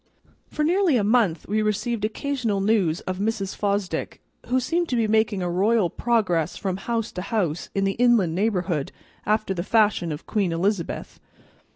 For nearly a month we received occasional news of Mrs. Fosdick, who seemed to be making a royal progress from house to house in the inland neighborhood, after the fashion of Queen Elizabeth.